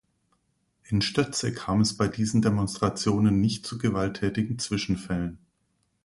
In Stoetze kam es bei diesen Demonstrationen nicht zu gewalttätigen Zwischenfällen.